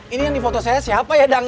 ini yang di foto saya siapa ya